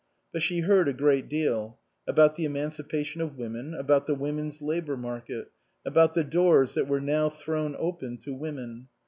But she heard a great deal. About the emancipation of women ; about the women's labour market ; about the doors that were now thrown open to women.